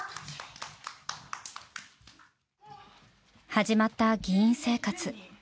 始まった議員生活。